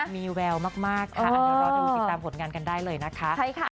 มีแววมากค่ะเดี๋ยวรอดูติดตามผลงานกันได้เลยนะคะ